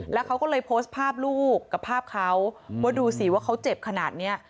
แล้วเขาก็เลยโพสต์ภาพลูกกับภาพเขาว่าดูสิว่าเขาเจ็บขนาดนี้